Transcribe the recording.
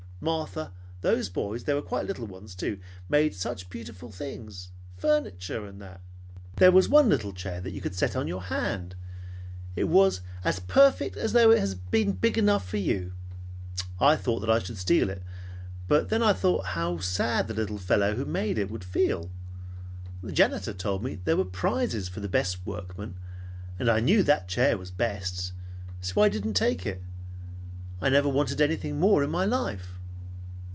Martha, those boys (they were quite little ones, too) made such beautiful things furniture and all that. There was one little chair that you could set on your hand. It was as perfect as though it was big enough for you. I thought that I would steal it. Then I thought how sad the little fellow who made it would feel. The janitor told me there were prizes for the best workmen, and I knew that chair was best. So I didn't take it. I never wanted anything more, in my life!"